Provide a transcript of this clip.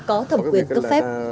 có thẩm quyền cấp phép